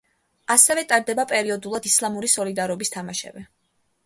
ასევე, ტარდება პერიოდულად ისლამური სოლიდარობის თამაშები.